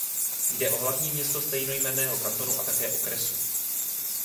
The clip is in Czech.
Jde o hlavní město stejnojmenného kantonu a také okresu.